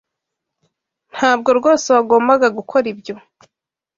Ntabwo rwose wagombaga gukora ibyo.